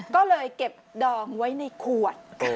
ก็เลยเก็บดองไว้ในขวด